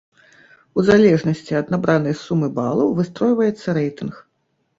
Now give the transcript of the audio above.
У залежнасці ад набранай сумы балаў, выстройваецца рэйтынг.